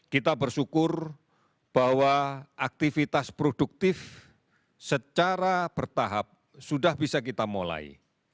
kita bersyukur bahwa aktivitas produktif secara bertahap sudah bisa kita mulai